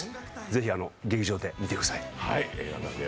ぜひ劇場で見てください。